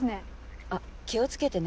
あっ気を付けてね。